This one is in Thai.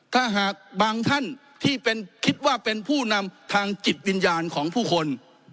ถ้าหากบางท่านที่คิดว่าเป็นผู้นำทางจิตวิญญาณของผู้คน